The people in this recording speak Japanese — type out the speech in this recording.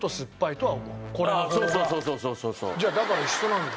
俺はじゃあだから一緒なんだよ。